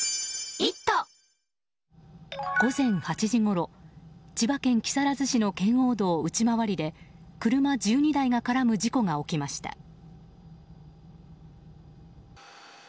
午前８時ごろ千葉県木更津市の圏央道内回りで車１２台が絡む事故が起きました。